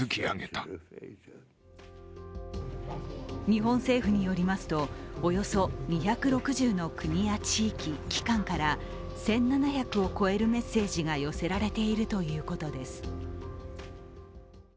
日本政府によりますと、およそ２６０の国や地域、機関から１７００を超えるメッセージが寄せられているということです。